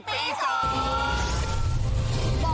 เป็นแรงหนึ่ง